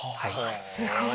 すごい！